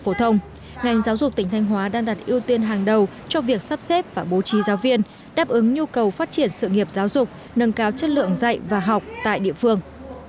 phổ thông ngành giáo dục tỉnh thanh hóa đang đặt ưu tiên hàng đầu cho việc sắp xếp và bố trí giáo viên đáp ứng nhu cầu phát triển sự nghiệp giáo dục nâng cao chất lượng dạy và học tại địa phương